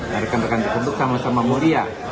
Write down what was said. mereka akan dikutuk sama sama muria